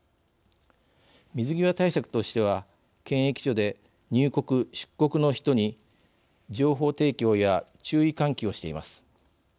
水際対策としては検疫所で入国・出国の人に情報提供や注意喚起をしています。